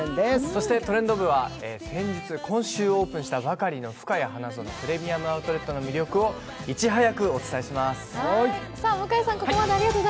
そして「トレンド部」は今週オープンしたばかりのふかや花園プレミアム・アウトレットの魅力をいち早くお伝えしますします。